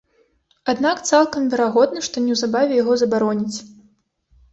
Аднак цалкам верагодна, што неўзабаве яго забароняць.